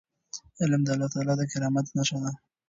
علم د الله تعالی د کرامت نښه ده.